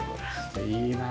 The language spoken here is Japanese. いいなあ。